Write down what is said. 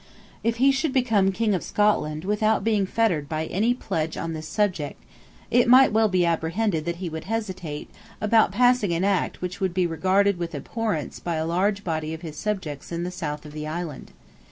If he should become King of Scotland without being fettered by any pledge on this subject, it might well be apprehended that he would hesitate about passing an Act which would be regarded with abhorrence by a large body of his subjects in the south of the island.